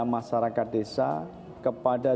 masyarakat desa kepada